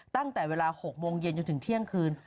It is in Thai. ตั้งแต่เวลา๖โมงเย็นจนถึงเที่ยงคืน